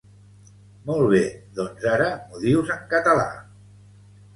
Molt bé doncs ara m'ho dius en català